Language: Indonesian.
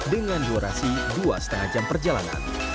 dengan durasi dua lima jam perjalanan